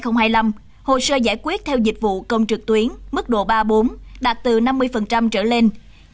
năm hai nghìn hai mươi năm hồ sơ giải quyết theo dịch vụ công trực tuyến mức độ ba bốn đạt từ năm mươi trở lên